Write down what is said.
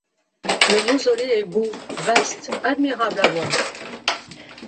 Le Mausolée est beau, vaste, admirable à voir ;